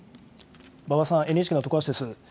馬場さん、ＮＨＫの徳橋です。